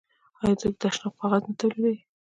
آیا د تشناب کاغذ نه تولیدوي؟